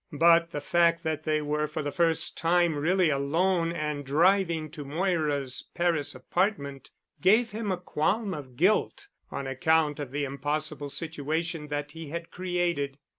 But the fact that they were for the first time really alone and driving to Moira's Paris apartment gave him a qualm of guilt on account of the impossible situation that he had created.